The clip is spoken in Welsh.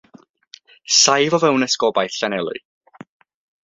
Saif o fewn esgobaeth Llanelwy.